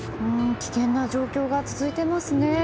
危険な状況が続いていますね。